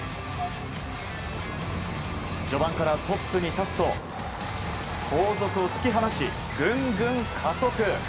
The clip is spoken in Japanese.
序盤からトップに立つと後続を突き放しぐんぐん加速！